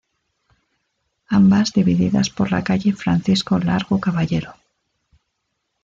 Ambas divididas por la calle Francisco Largo Caballero.